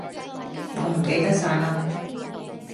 我唔記得晒啦